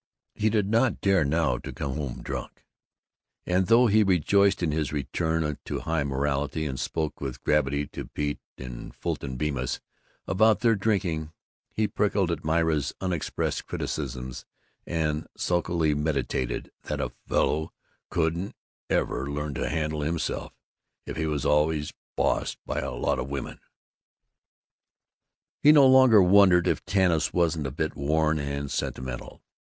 He did not dare now to come home drunk, and though he rejoiced in his return to high morality and spoke with gravity to Pete and Fulton Bemis about their drinking, he prickled at Myra's unexpressed criticisms and sulkily meditated that a "fellow couldn't ever learn to handle himself if he was always bossed by a lot of women." He no longer wondered if Tanis wasn't a bit worn and sentimental.